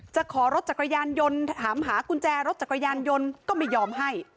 จะขอรถจักรยานยนต์ถามหากุญแจรถจักรยานยนต์ก็ไม่ยอมให้